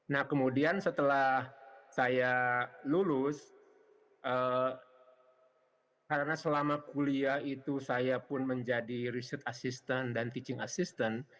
nah kemudian setelah saya lulus karena selama kuliah itu saya pun menjadi riset assistant dan teaching assistant